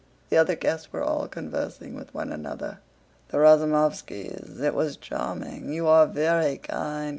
The other guests were all conversing with one another. "The Razumóvskis... It was charming... You are very kind...